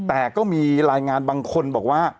แต่ก็มีรายงานบางคนบอกว่า